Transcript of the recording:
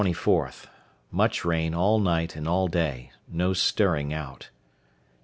—Much rain all night and all day. No stirring out. _Dec.